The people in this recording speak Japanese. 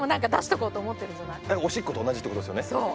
おしっこと同じってことですよね？